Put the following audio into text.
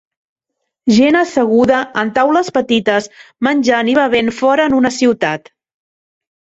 Gent asseguda en taules petites menjant i bevent fora en una ciutat.